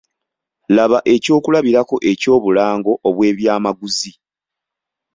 Laba ekyokulabirako ky’obulango obw’ebyamaguzi.